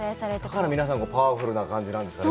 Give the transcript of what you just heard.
だから皆さんもパワフルな感じなんですかね。